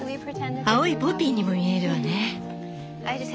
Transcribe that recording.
青いポピーにも見えるわね。